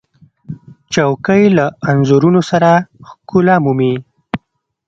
چوکۍ له انځورونو سره ښکلا مومي.